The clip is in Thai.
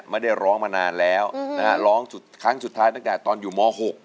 ไม่ได้ร้องมานานแล้วนะฮะร้องครั้งสุดท้ายตั้งแต่ตอนอยู่ม๖